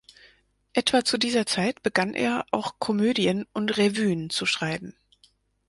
Etwa zu dieser Zeit begann er auch Komödien und Revuen zu schreiben.